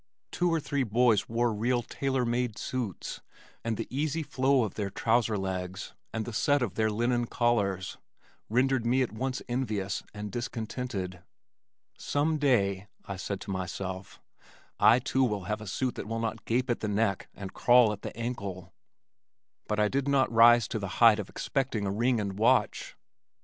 Two or three boys wore real tailor made suits, and the easy flow of their trouser legs and the set of their linen collars rendered me at once envious and discontented. "Some day," I said to myself, "I too, will have a suit that will not gape at the neck and crawl at the ankle," but I did not rise to the height of expecting a ring and watch.